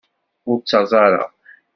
Ur ttaẓ ara.